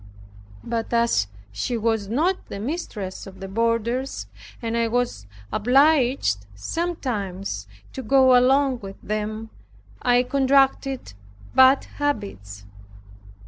But as she was not the mistress of the boarders, and I was obliged sometimes to go along with them, I contracted bad habits.